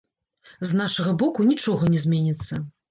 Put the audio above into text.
З нашага боку нічога не зменіцца.